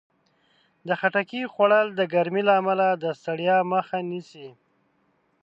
د خټکي خوړل د ګرمۍ له امله د ستړیا مخه نیسي.